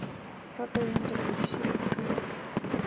tatay ancha purilliku kan